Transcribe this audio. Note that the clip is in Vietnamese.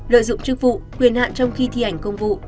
lợi dụng chức vụ quyền hạn trong khi thi hành công vụ